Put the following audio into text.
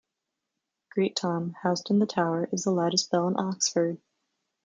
Great Tom, housed in the tower, is the loudest bell in Oxford.